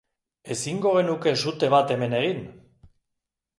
Ezingo genuke sute bat hemen egin?